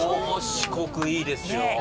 四国いいですよ！